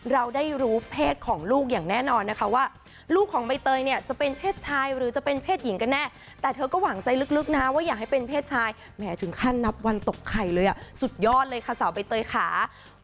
เราได้รู้เพศของลูกอย่างแน่นอนนะคะว่าลูกของใบเตยเนี่ยจะเป็นเพศชายหรือจะเป็นเพศหญิงกันแน่แต่เธอก็หวังใจลึกนะว่าอยากให้เป็นเพศชายแหมถึงขั้นนับวันตกไข่เลยอ่ะสุดยอดเลยค่ะสาวใบเตยค่ะ